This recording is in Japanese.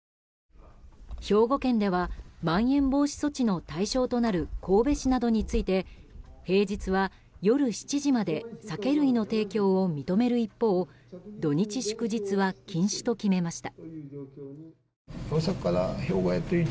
兵庫県ではまん延防止措置の対象となる神戸市などについて平日は夜７時まで酒類の提供を認める一方土日祝日は禁止と決めました。